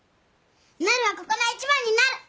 なるはここの一番になる！